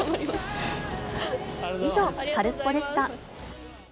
以上、カルスポっ！でした。